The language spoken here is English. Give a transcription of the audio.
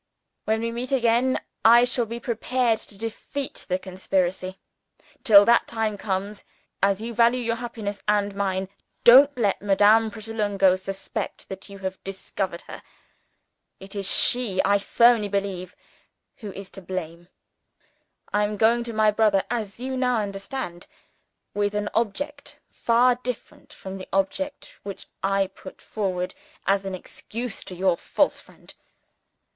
"When we meet again, I shall be prepared to defeat the conspiracy. Till that time comes as you value your happiness and mine, don't let Madame Pratolungo suspect that you have discovered her. It is she, I firmly believe, who is to blame. I am going to my brother as you will now understand with an object far different to the object which I put forward as an excuse to your false friend.